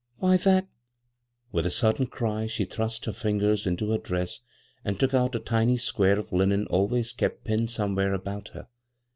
" Why, that " With a sudden cry she thrust her fingers into her dress Eind took out a tiny square of linen always kept pinned somewhere about her.